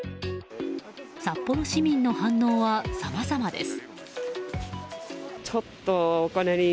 札幌市民の反応はさまざまです。